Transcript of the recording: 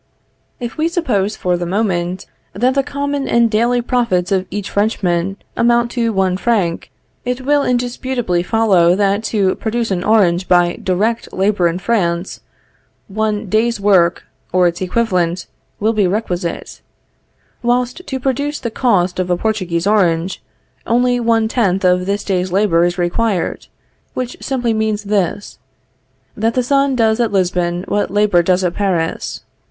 If we suppose for the moment, that the common and daily profits of each Frenchman amount to one franc, it will indisputably follow that to produce an orange by direct labor in France, one day's work, or its equivalent, will be requisite; whilst to produce the cost of a Portuguese orange, only one tenth of this day's labor is required; which means simply this, that the sun does at Lisbon what labor does at Paris.